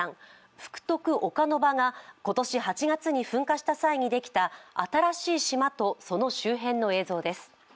福徳岡ノ場が今年８月に噴火した際にできた、新しい島とその周辺の映像です。